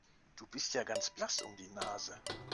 Du bist ja ganz blass um die Nase.